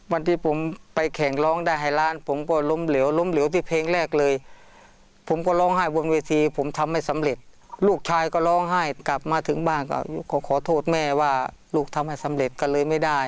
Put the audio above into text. วันที่ผมไปแข่งร้องได้ให้ล้านผมก็ล้มเหลวล้มเหลวที่เพลงแรกเลยผมก็ร้องไห้บนเวทีผมทำไม่สำเร็จลูกชายก็ร้องไห้กลับมาถึงบ้านก็ขอโทษแม่ว่าลูกทำให้สำเร็จก็เลยไม่ได้